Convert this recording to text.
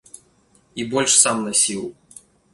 І больш сам насіў.